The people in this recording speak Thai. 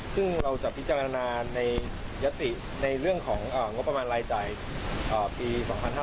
ซึ่งเราจะพิจารณาในยติในเรื่องของงบประมาณรายจ่ายปี๒๕๕๙